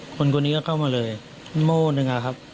คนคนนี้ก็เข้ามาเลยโม่หนึ่งอะครับ